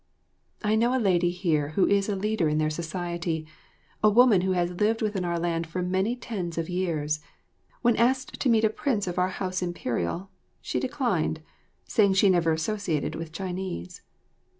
I know a lady here who is a leader in their society, a woman who has lived within our land for many tens of years; when asked to meet a prince of our house Imperial, she declined, saying she never associated with Chinese.